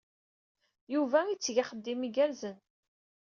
Yuba itteg axeddim igerrzen.